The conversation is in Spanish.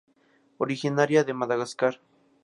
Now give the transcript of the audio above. Originaria de Madagascar.